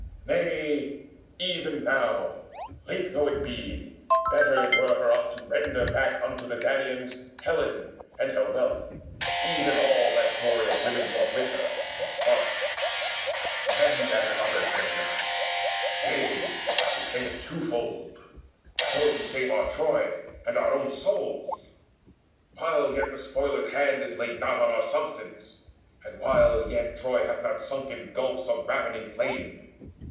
Nay, even now, late though it be, Better it were for us to render back Unto the Danaans Helen and her wealth, Even all that glory of women brought with her From Sparta, and add other treasure yea, Repay it twofold, so to save our Troy And our own souls, while yet the spoiler's hand Is laid not on our substance, and while yet Troy hath not sunk in gulfs of ravening flame.